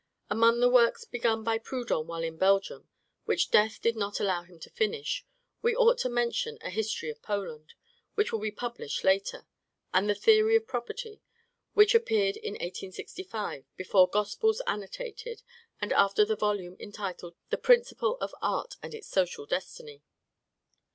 Among the works begun by Proudhon while in Belgium, which death did not allow him to finish, we ought to mention a "History of Poland," which will be published later; and, "The Theory of Property," which appeared in 1865, before "The Gospels Annotated," and after the volume entitled "The Principle of Art and its Social Destiny."